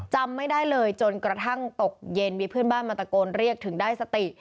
จำไม่ได้เลยจนกระทั่งตกเย็นมีเพื่อนบ้านมาตะโกนเรียกถึงได้สติ